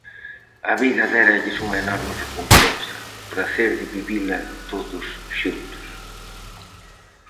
A vida déralles unha enorme recompensa, o pracer de vivila todos xuntos.